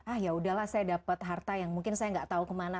ah yaudahlah saya dapat harta yang mungkin saya nggak tahu kemana